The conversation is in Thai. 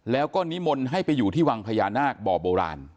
แล้วก็นิมนต์ให้ไปอยู่ที่วังพญานาคบ่อโบราณ